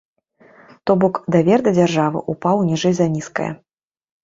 То бок, давер да дзяржавы ўпаў ніжэй за нізкае.